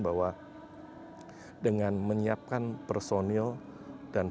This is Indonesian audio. bahwa dengan menyiapkan personil dan